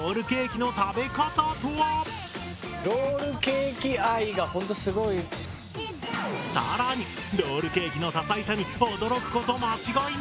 更にロールケーキの多彩さに驚くこと間違いなし！